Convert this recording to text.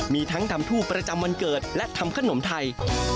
มีทั้งทำทูปประจำวันเกิดและทำขนมไทย